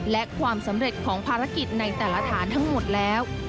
และความสำเร็จของภารกิจในแต่ละฐานทั้งหมดแล้ว